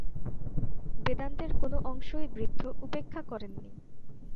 বেদান্তের কোন অংশই বৃদ্ধ উপেক্ষা করেননি।